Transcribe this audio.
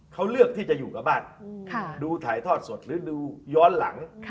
เขาเลือกที่จะอยู่กับบ้านดูถ่ายทอดสดหรือดูย้อนหลัง